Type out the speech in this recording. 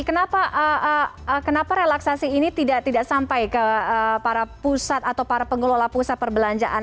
kenapa relaksasi ini tidak sampai ke para pusat atau para pengelola pusat perbelanjaan